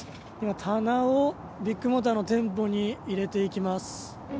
棚をビッグモーターの店舗に入れていきます。